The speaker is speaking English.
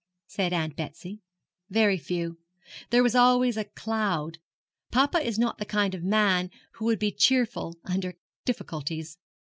said Aunt Betsy. 'Very few. There was always a cloud. Papa is not the kind of man who can be cheerful under difficulties.